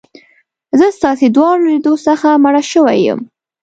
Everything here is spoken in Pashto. زه ستاسي دواړو له لیدو څخه مړه شوې یم.